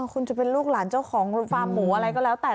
คุณจะเป็นลูกหลานเจ้าของฟาร์มหมูอะไรก็แล้วแต่